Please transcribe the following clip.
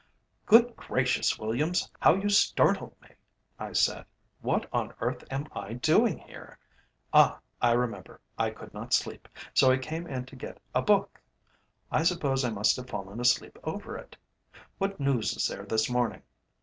"Good gracious, Williams, how you startled me!" I said. "What on earth am I doing here? Ah, I remember! I could not sleep, so I came in to get a book. I suppose I must have fallen asleep over it. What news is there this morning?"